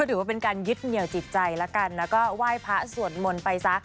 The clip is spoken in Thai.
ถือว่าเป็นการยึดเหนี่ยวจิตใจแล้วกันแล้วก็ไหว้พระสวดมนต์ไปซะ